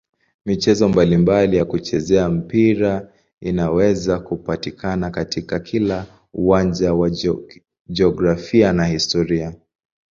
Michezo mbalimbali ya kuchezea mpira inaweza kupatikana katika kila uwanja wa jiografia na historia.